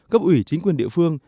cấp ủy chính quyền địa phương